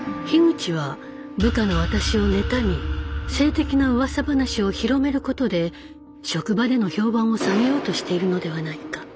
樋口は部下の私を妬み性的なうわさ話を広めることで職場での評判を下げようとしているのではないか。